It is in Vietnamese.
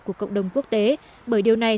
của cộng đồng quốc tế bởi điều này